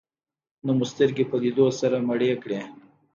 نه مو سترګې په لیدو سره مړې کړې.